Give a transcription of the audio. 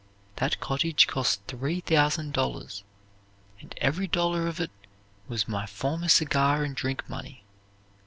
That cottage cost three thousand dollars, and every dollar of it was my former cigar and drink money.